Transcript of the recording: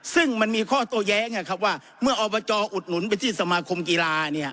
ซึ่งมันมีข้อโต้แย้งว่าเมื่ออบจอุดหนุนไปที่สมาคมกีฬา